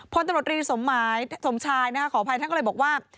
พลตำรวจรีสมชายขออภัยท่านก็เลยบอกว่า